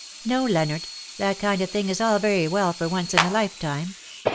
" No, Leonard, that kind of thing is all very well for once in a lifetime.